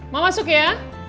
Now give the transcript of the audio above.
mau masuk ya